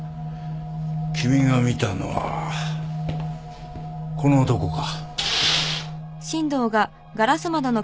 君が見たのはこの男か？